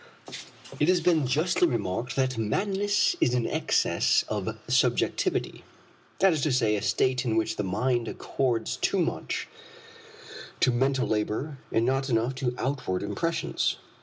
It has been justly remarked that madness is an excess of subjectivity; that is to say, a state in which the mind accords too much to mental labor and not enough to outward impressions.